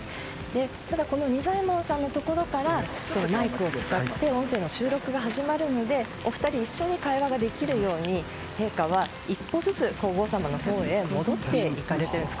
ただ、仁左衛門さんのところからマイクを使って音声の収録が始まるのでお二人一緒に会話ができるように陛下は１歩ずつ皇后さまのほうへ戻って行かれてるんです。